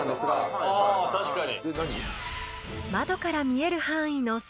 あ確かに。